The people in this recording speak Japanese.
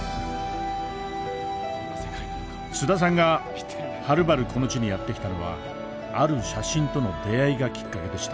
須田さんがはるばるこの地にやって来たのはある写真との出会いがきっかけでした。